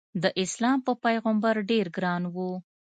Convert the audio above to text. داسلام په پیغمبر ډېر ګران و.